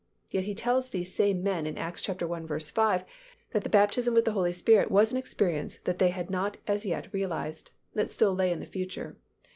Yet He tells these same men in Acts i. 5, that the baptism with the Holy Spirit was an experience that they had not as yet realized, that still lay in the future.